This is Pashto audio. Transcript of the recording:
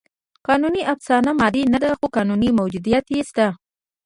قانوني افسانه مادي نهده؛ خو قانوني موجودیت یې شته.